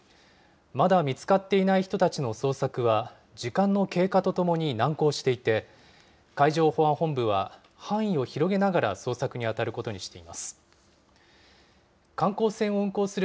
まだ見つかっていない人たちの捜索は、時間の経過とともに難航していて、海上保安本部は、範囲を広げながら捜索に当たることにしています。